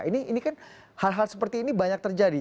ini kan hal hal seperti ini banyak terjadi